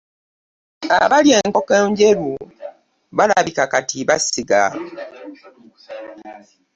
Abali e Nkokonjeru balabika kati basiga.